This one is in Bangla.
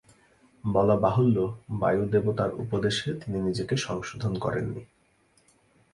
বলা-বাহুল্য বায়ু দেবতার উপদেশে তিনি নিজেকে সংশোধন করেননি।